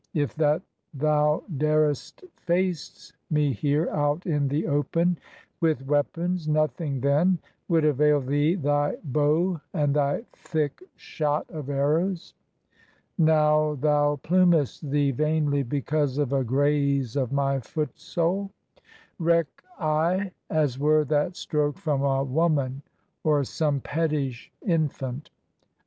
If that thou dared'st face me here out in the open with weapons, Nothing then would avail thee thy bow and thy thick shot of arrows. Now thou plumest thee vainly because of a graze of my footsole; Reck I as were that stroke from a woman or some pettish infant.